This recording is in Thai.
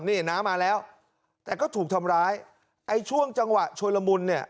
นี่น้ามาแล้วแต่ก็ถูกทำร้ายไอ้ช่วงจังหวะชุลมุนเนี่ย